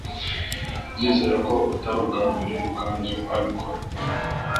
Ndizera ko atari ubwambere Ruganzu abikora.